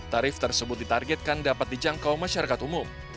tarif tersebut ditargetkan dapat dijangkau masyarakat umum